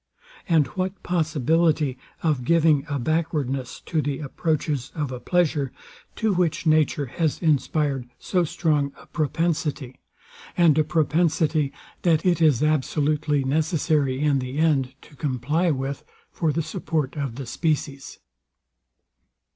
And what possibility of giving a backwardness to the approaches of a pleasure, to which nature has inspired so strong a propensity; and a propensity that it is absolutely necessary in the end to comply with, for the support of the species?